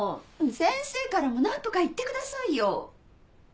先生からも何とか言ってくださいよ。